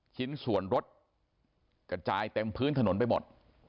ชิ้นส่วนรถกระจายเต็มพื้นถนนไปหมด